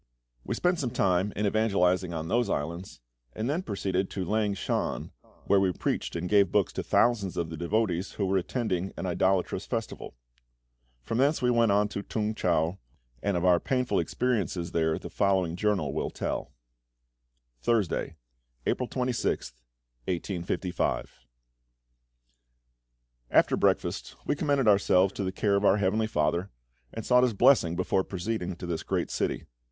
We spent some time in evangelising on those islands, and then proceeded to Lang shan, where we preached and gave books to thousands of the devotees who were attending an idolatrous festival. From thence we went on to T'ung chau, and of our painful experiences there the following journal will tell: Thursday, April 26th, 1855. After breakfast we commended ourselves to the care of our Heavenly FATHER, and sought His Blessing before proceeding to this great city.